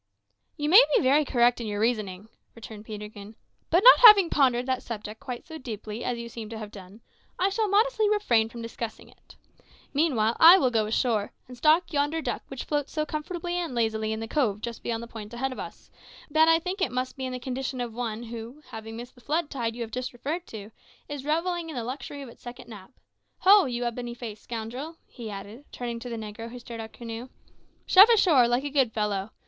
"You may be very correct in your reasoning," returned Peterkin; "but not having pondered that subject quite so deeply as you seem to have done, I shall modestly refrain from discussing it. Meanwhile I will go ashore, and stalk yonder duck which floats so comfortably and lazily in the cove just beyond the point ahead of us, that I think it must be in the condition of one who, having missed the flood tide you have just referred to, is revelling in the luxury of its second nap. Ho, you ebony faced scoundrel!" he added, turning to the negro who steered our canoe; "shove ashore, like a good fellow.